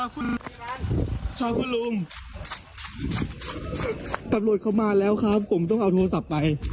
คุณค่ะคุณลุงตำรวจเขามาแล้วครับผมต้องเอาโทรศัพท์ไป